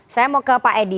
saya mau ke pak edi